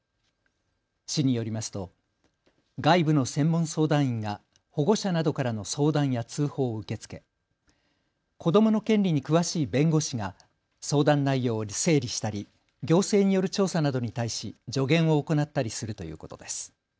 市によりますと外部の専門相談員が保護者などからの相談や通報を受け付け子どもの権利に詳しい弁護士が相談内容を整理したり行政による調査などに対し助言を行ったりするということです。